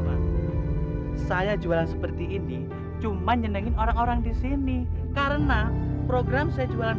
kebetulan anaknya lagi tidur pulas